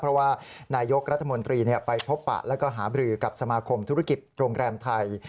เพราะว่านายกรัฐมนตรีไปพบปะแล้วก็หาบรือกับสมาคมธุรกิจโรงแรมไทย